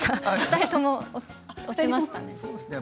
２人とも落ちましたね。